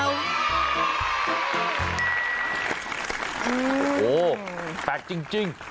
โหแปลกจริง